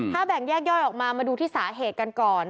ถ้าแบ่งแยกย่อยออกมามาดูที่สาเหตุกันก่อน